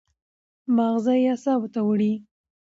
مازغه ئې اعصابو ته وړي